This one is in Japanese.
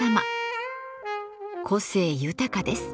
個性豊かです。